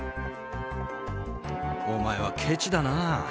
お前はケチだな。